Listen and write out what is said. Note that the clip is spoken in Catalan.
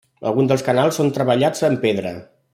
Algun dels canals són treballats en pedra.